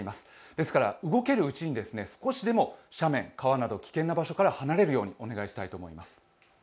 ですから動けるうちに少しでも斜面、川など危険な場所から離れるようにお願いします。